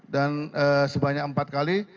dan sebanyak empat kali